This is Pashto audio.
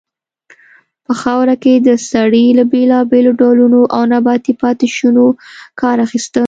په خاوره کې د سرې له بیلابیلو ډولونو او نباتي پاتې شونو کار اخیستل.